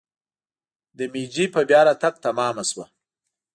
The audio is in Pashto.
د میجي په بیا راتګ تمامه شوه.